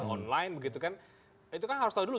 online begitu kan itu kan harus tahu dulu